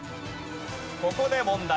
ここで問題。